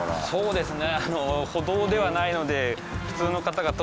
そうですね。